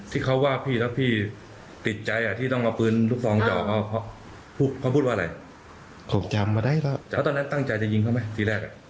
สร้างใจจะยิงเขาไหมสีแรก